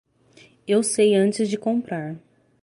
Eu sei antes de comprar.